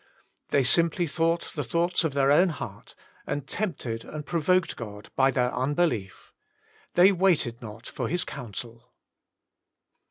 They simply thought the thoughts of their own heart, and tempted and provoked God by their unbelief. * They waited not for His counsel.'